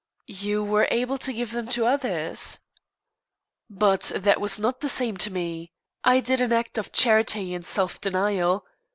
"You were able to give them to others." "But that was not the same to me. I did an act of charity and self denial.